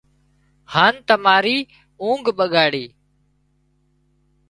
هان تماري اونگھ ٻڳاڙِي